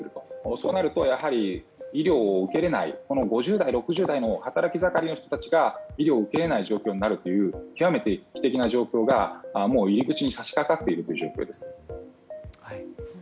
そうなると、やはり医療を受けられない５０代６０代の働き盛りの人たちが医療を受けられない状況になるという極めて危機的な状況がもう入り口に差し掛かっているという状況です。